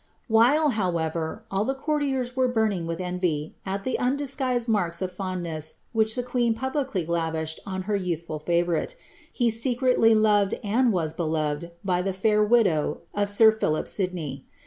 While, however, all the courtiers were burning with envy, at the un disguised marks of fondness which the queen publicly lavished on her foathful favourite, he secretly loved and was beloved by the fair widow of sir Philip Sidney.